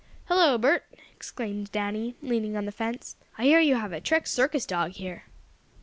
"Hello, Bert!" exclaimed Danny, leaning on the fence. "I hear you have a trick circus dog here."